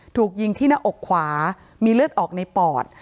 ถูกยิงที่หน้าอกขวามีเลือดออกในปอด